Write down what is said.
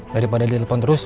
daripada dia telepon terus